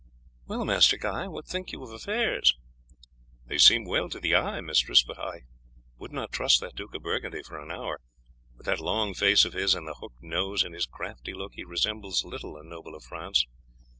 "Well, Master Guy, what think you of affairs?" "They seem well to the eye, mistress, but I would not trust that Duke of Burgundy for an hour. With that long face of his and the hooked nose and his crafty look he resembles little a noble of France.